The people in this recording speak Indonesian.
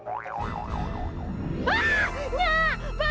ah nya be be